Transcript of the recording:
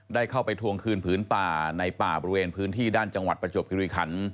ได้เข้าไปทวงคืนผืนป่าในป่าบริเวณพื้นที่ด้านจังหวัดประจวบคิริขัน